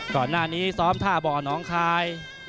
ก่อนหน้านี้ซ้อมท่าบ่อน้องคาย